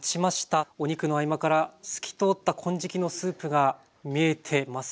お肉の合間から透き通った金色のスープが見えてますね。